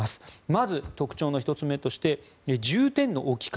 まず特徴の１つ目として重点の置き方。